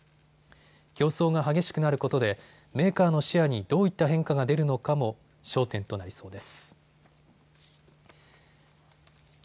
競争が激しくなることでメーカーのシェアにどういった変化が出るのかも焦点となりそうです。